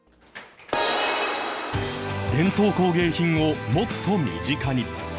伝統工芸品をもっと身近に。